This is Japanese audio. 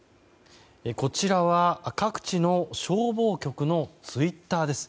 こちらは各地の消防局のツイッターです。